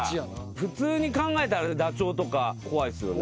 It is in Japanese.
普通に考えたらダチョウとか怖いですよね。